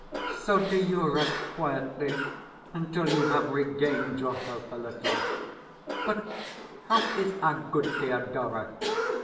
So do you rest quietly until you have regained your health a little. But how is our good Thedora?